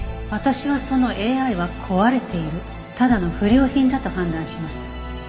私はそのＡＩは壊れているただの不良品だと判断します。